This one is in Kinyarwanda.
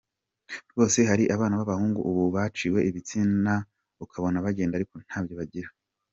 Rwose hari abana b’abahungu ubu baciwe ibitsinda ukabona bagenda ariko nta byo bagira".